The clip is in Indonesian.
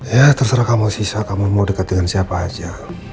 ya terserah kamu sisa kamu mau dekat dengan siapa aja